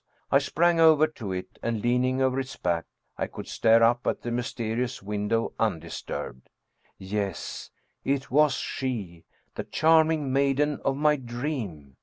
I sprang over to it, and leaning over its back, I could stare up at the mysterious window un 141 German Mystery Stories disturbed. Yes, it was she, the charming maiden of my dream!